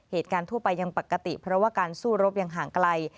เหตุการณ์ทั่วไปยังปกติเพราะว่าการสู้รบยังห่างไกล